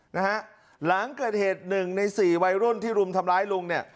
นะฮะหลังเกิดเหตุหนึ่งในสี่วัยรุ่นที่รุมทำร้ายลุงเนี่ย